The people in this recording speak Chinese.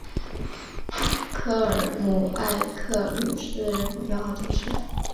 科尔姆埃克吕斯人口变化图示